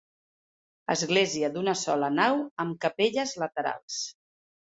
Església d'una sola nau amb capelles laterals.